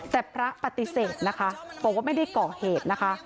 แต่พระปฏิเสธนะคะบอกว่าไม่ได้ก่อเหตุนะคะ